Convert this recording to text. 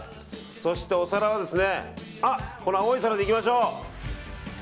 そしてお皿は青い皿でいきましょう。